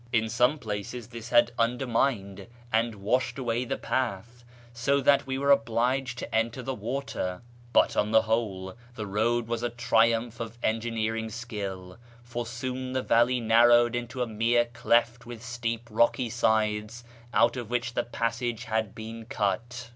Ju suiiie places this had undermined and washed away the path, so that we were obliged to enter the water ; Ijut on the whole, the road was a triumph of engineering skill, for soon the valley narrowed into a mere cleft with steep rocky sides, out of which the passage had been cut.